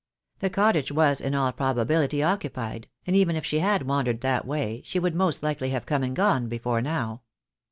The cottage was in all probability occupied, and even if she had wandered that way she would most likely have come and gone before now.